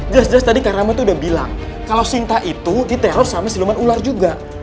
jas jas tadi kak rama itu udah bilang kalau sinta itu diteror sama siluman ular juga